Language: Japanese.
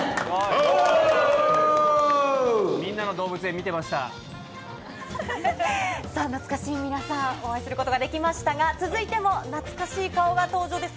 はい、皆さん、おー！さあ、懐かしい皆さん、お会いすることができましたが、続いても懐かしい顔が登場です。